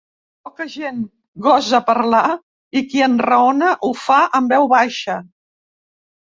Poca gent gosa parlar i qui enraona ho fa en veu baixa.